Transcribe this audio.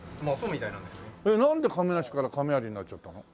なんで亀無から亀有になっちゃったの？